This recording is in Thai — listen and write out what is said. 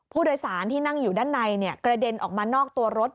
ผู้โดยสารที่นั่งอยู่ด้านในกระเด็นออกมานอกตัวรถ